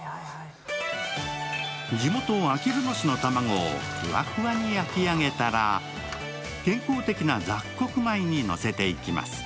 地元あきる野市の卵をふわふわに焼き上げたら健康的な雑穀米にのせていきます。